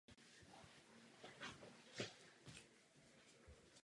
Specializuje se především na dílo Georga Friedricha Händela a další barokní autory.